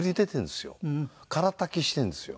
空たきしてるんですよ。